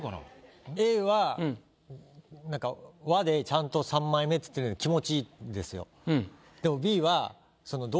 Ａはなんか「は」でちゃんと「三枚目」っつってるんで気持ちいいんです。